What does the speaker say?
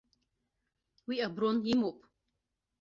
Уи аброн имоуп.